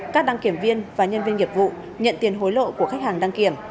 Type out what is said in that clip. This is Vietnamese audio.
các đăng kiểm viên và nhân viên nghiệp vụ nhận tiền hối lộ của khách hàng đăng kiểm